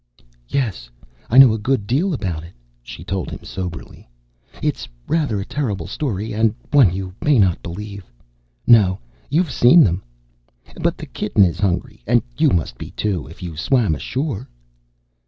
"Yes, I know a good deal about it," she told him soberly. "It's rather a terrible story. And one you may not believe no, you've seen them! But the kitten is hungry, and you must be, too, if you swam ashore."